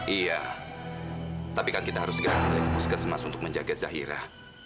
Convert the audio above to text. iya tapi kan kita harus segera kembali ke puskesmas untuk menjaga zahira